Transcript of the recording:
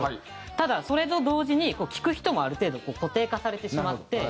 ただそれと同時にこう聴く人もある程度固定化されてしまって。